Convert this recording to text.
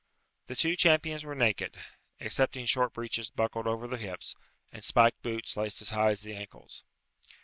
The two champions were naked, excepting short breeches buckled over the hips, and spiked boots laced as high as the ankles.